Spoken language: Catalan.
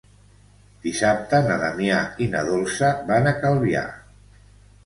Dissabte na Damià i na Dolça van a Calvià.